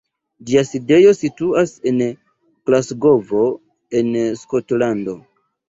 Ĝia sidejo situas en Glasgovo, en Skotlando.